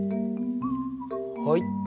はい。